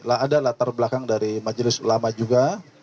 ada latar belakang dari majelis ulama juga